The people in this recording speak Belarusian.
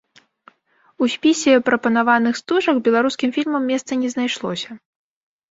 У спісе прапанаваных стужак беларускім фільмам месца не знайшлося.